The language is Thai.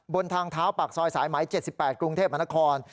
บนทางเท้าปากซอยสายไหม๗๘กรุงเทพมหานคร